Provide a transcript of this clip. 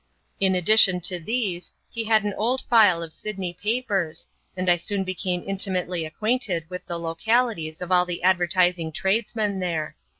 Li addition to these, he had an old file of Sydney papers, and I soon became intimately acquainted with the localities of all the advertising tradesmen there.